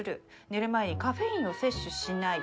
寝る前にカフェインを摂取しない。